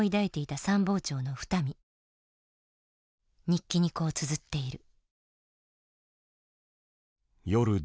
日記にこうつづっている。